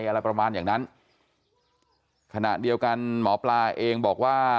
อะไรประมาณอย่างนั้นขณะเดียวกันหมอปลาเองบอกว่า